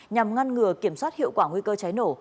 nhằm ngăn ngừa kiểm soát hiệu quả nguy cơ cháy nổ